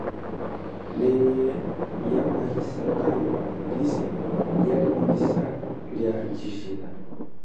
Neye yawahisa tangwa lize yalipwisa lia chijila.